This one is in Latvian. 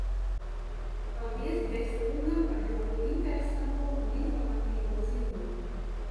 Paldies Dess kungam par ļoti interesanto un informatīvo ziņojumu.